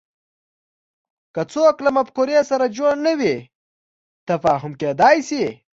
که څوک له مفکورې سره جوړ نه وي تفاهم کېدای شي